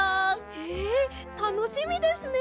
へえたのしみですね！